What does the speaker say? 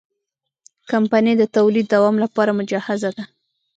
کمپنۍ د تولید دوام لپاره مجهزه ده.